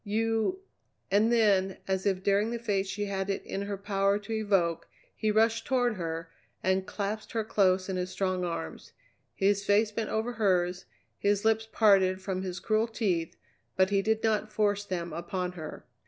"You " And then as if daring the fate she had it in her power to evoke, he rushed toward her and clasped her close in his strong arms. His face was bent over hers, his lips parted from his cruel teeth, but he did not force them upon her.